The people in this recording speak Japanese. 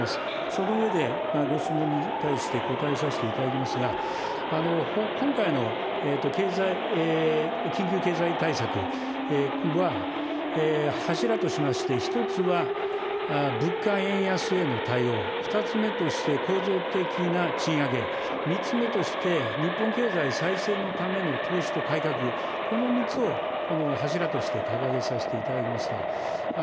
その上で、ご質問に対して答えさせていただきますが、今回の経済、緊急経済対策は、柱としまして、１つは物価円安への対応、２つ目として構造的な賃上げ、３つ目として、日本経済再生のための投資と改革、この３つをこの柱として掲げさせていただきました。